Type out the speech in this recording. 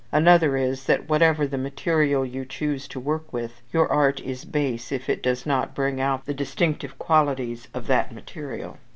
Another is, that whatever the material you choose to work with, your art is base if it does not bring out the distinctive qualities of that material.